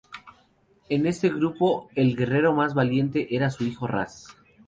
En este grupo el guerrero más valiente era su hijo Ras.